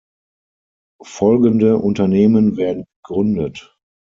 Folgende Unternehmen werden gegründet:"